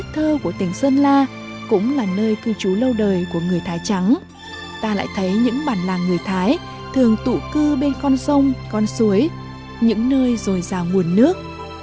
có lẽ những bản làng người thái thường tụ cư bên con sông con suối những nơi rồi giàu nguồn nước